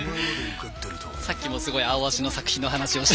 さっきもすごい「アオアシ」の作品の話を。